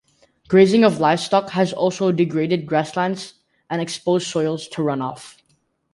Grazing of livestock has also degraded grasslands and exposed soils to runoff.